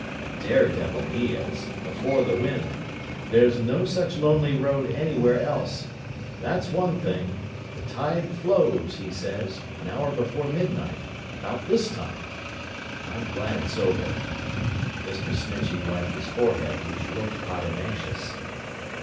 —a dare devil he is—before the wind. There's no such lonely road anywhere else. That's one thing. The tide flows, he says, an hour before midnight—about this time. I'm glad it's over.' Mr. Snitchey wiped his forehead, which looked hot and anxious.